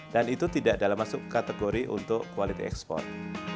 dan itu tidak dalam masuk kategori untuk quality export